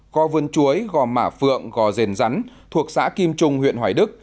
gò vườn chuối gò mả phượng gò dền rắn thuộc xã kim trung huyện hoài đức